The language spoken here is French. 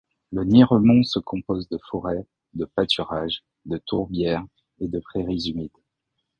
Le Niremont se compose de forêt, de pâturage, de tourbières et de prairies humides.